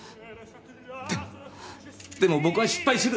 でもでも僕は失敗する。